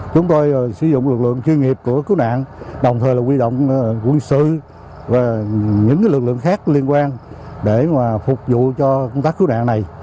chúng tôi sử dụng lực lượng chuyên nghiệp của cứu nạn đồng thời là quy động quân sự và những lực lượng khác liên quan để phục vụ cho công tác cứu nạn này